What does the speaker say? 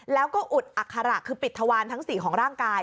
แล้วก็อุดอัคระคือปิดทวารทั้ง๔ของร่างกาย